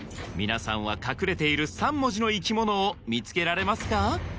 皆さんは隠れている３文字の生き物を見つけられますか？